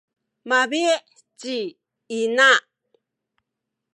mabi’ ci ina.